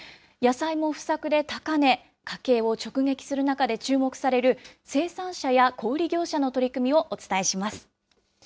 野菜も不作で高値、家計を直撃する中で注目される生産者や小売り業者の取り組みをお伝えします。